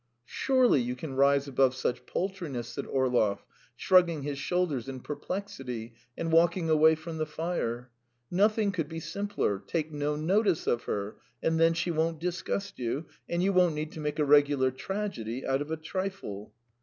"Surely you can rise above such paltriness?" said Orlov, shrugging his shoulders in perplexity, and walking away from the fire. "Nothing could be simpler: take no notice of her, and then she won't disgust you, and you won't need to make a regular tragedy out of a trifle."